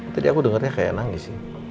tadi aku dengernya kayak nangis